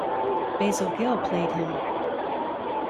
Basil Gill played him.